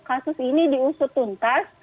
kasus ini diusut tuntas